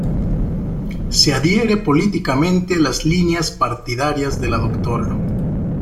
Se adhiere políticamente a las líneas partidarias de la Dra.